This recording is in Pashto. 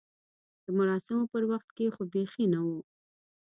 د مراسمو پر وخت کې خو بیخي نه و.